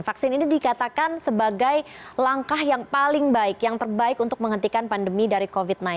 vaksin ini dikatakan sebagai langkah yang paling baik yang terbaik untuk menghentikan pandemi dari covid sembilan belas